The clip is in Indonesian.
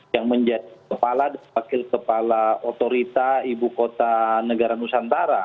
yang menjadi kepala wakil kepala otorita ibu kota negara nusantara